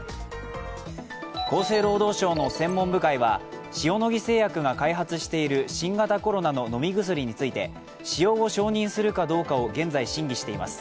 厚生労働省の専門部会は塩野義製薬が開発している新型コロナの飲み薬について使用を承認するかどうかを現在、審議しています。